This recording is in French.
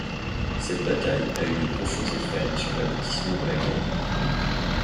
Cette bataille a eu de profonds effets sur l'aboutissement de la guerre.